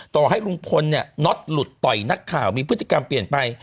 ต่อให้ลุงพลเนี่ยน็อตหลุดต่อยนักข่าวมีพฤติกรรมเปลี่ยนไป